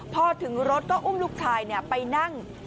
พอถึงรถก็อุ้มลูกชายไปนั่ง